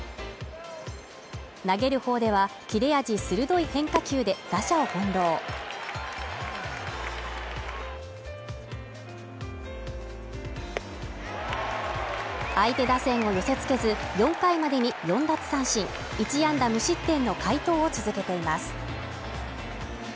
投げる方では切れ味鋭い変化球で打者を翻弄相手打線を寄せ付けず４回までに４奪三振１安打無失点の快投を続けています。